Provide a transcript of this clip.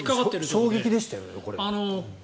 衝撃でしたよ、これ。